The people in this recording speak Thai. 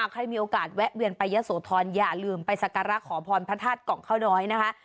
ใครมีโอกาสแวะเวียนไปยะโสธรอย่าลืมไปสักการะขอพรพระธาตุกล่องข้าวน้อยนะคะ